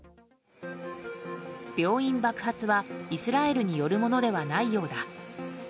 病院爆発はイスラエルによるものではないようだ。